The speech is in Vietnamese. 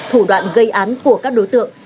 thủ đoạn gây án của các đối tượng